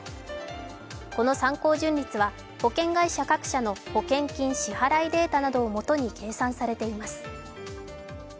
この参考純率は保険会社各社の保険金支払いデータなどをもとに計算されています。